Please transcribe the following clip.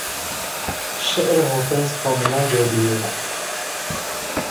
شعر حافظ کاملا جادویی است.